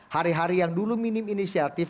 hari hari yang dulu minim inisiatif